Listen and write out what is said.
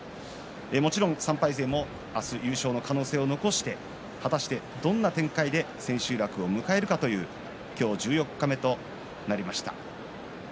もちろん３敗勢は明日優勝の可能性を残して、果たしてどんな展開で千秋楽を迎えるかという今日、十四日目となりました。